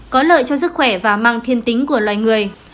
có lợi cho sức khỏe và mang thiên tính của loài người